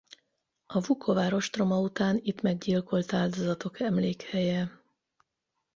A Vukovár ostroma után itt meggyilkolt áldozatok emlékhelye.